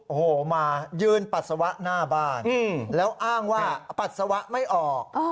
โอ้โหมายืนปัสสาวะหน้าบ้านแล้วอ้างว่าปัสสาวะไม่ออก